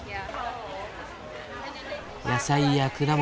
野菜や果物。